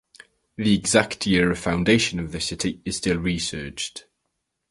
The exact year of foundation of the city is still researched.